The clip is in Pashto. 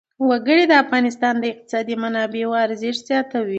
وګړي د افغانستان د اقتصادي منابعو ارزښت زیاتوي.